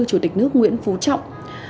chủ tịch nước nguyễn phú trọng